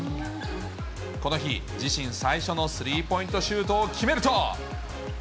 この日、自身最初のスリーポイントシュートを決めると。